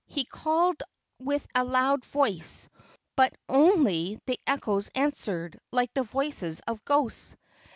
He called with a loud voice, but only the echoes answered, like the voices of ghosts.